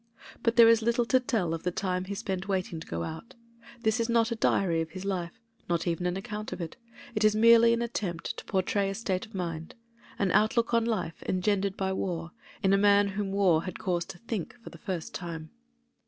But there is little to tell of the time he spent waiting to go out. This is not a diary of his life — ^not even an account of it; it is merely an attempt to portray a state of mind — an outlook on life engendered by war, in a man whom war had caused to think for the first time.